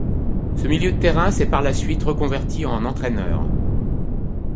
Ce milieu de terrain s'est par la suite reconverti en entraîneur.